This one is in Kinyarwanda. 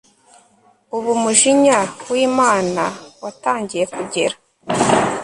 Ubu umujinya wImana watangiye kugera